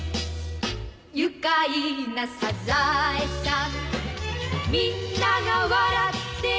「愉快なサザエさん」「みんなが笑ってる」